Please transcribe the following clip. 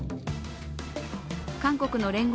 韓国の聯合